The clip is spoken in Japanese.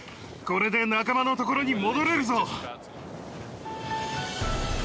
これで仲間の所に戻れるぞ。